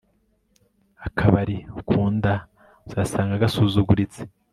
akabari ukunda uzasanga gasuzuguritse